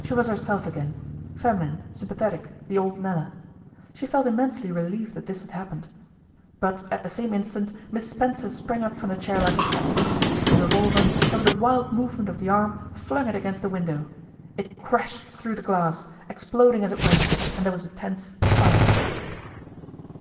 She was herself again feminine, sympathetic, the old Nella. She felt immensely relieved that this had happened. But at the same instant Miss Spencer sprang up from the chair like a cat, seized the revolver, and with a wild movement of the arm flung it against the window. It crashed through the glass, exploding as it went, and there was a tense silence.